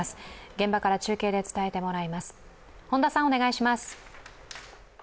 現場から中継で伝えてもらいます。